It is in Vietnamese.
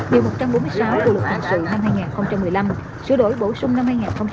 điều một trăm bốn mươi sáu bộ luật hình sự năm hai nghìn một mươi năm sửa đổi bổ sung năm hai nghìn một mươi bảy